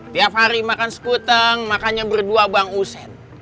tiap hari makan sekuteng makannya berdua bang usen